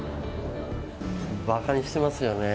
ばかにしてますよね。